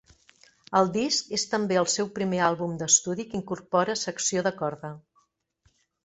El disc és també el seu primer àlbum d'estudi que incorpora secció de corda.